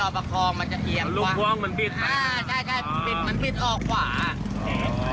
จะไปตรงที่ที่นี่ไหม